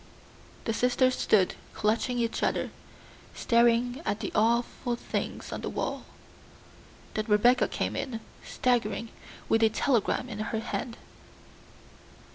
The sisters stood clutching each other, staring at the awful things on the wall. Then Rebecca came in, staggering, with a telegram in her hand.